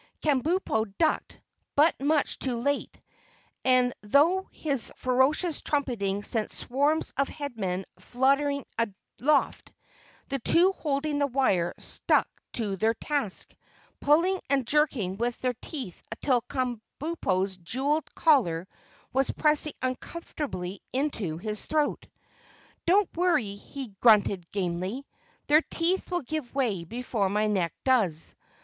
Kabumpo ducked, but much too late, and though his ferocious trumpeting sent swarms of Headmen fluttering aloft, the two holding the wire stuck to their task, pulling and jerking with all their teeth till Kabumpo's jeweled collar was pressing uncomfortably into his throat. "Don't worry," he grunted gamely, "their teeth will give way before my neck does.